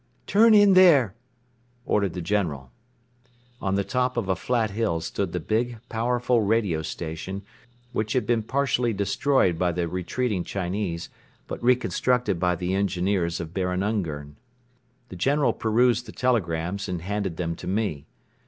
"Turn in there!" ordered the General. On the top of a flat hill stood the big, powerful radio station which had been partially destroyed by the retreating Chinese but reconstructed by the engineers of Baron Ungern. The General perused the telegrams and handed them to me.